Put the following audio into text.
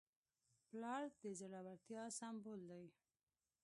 پلار د زړورتیا سمبول دی.